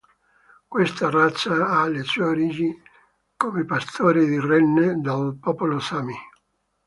Questa razza ha le sue origini come pastore di renne del popolo Sami.